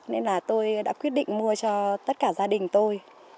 nên là tôi đã quyết định mua cho tất cả gia đình tôi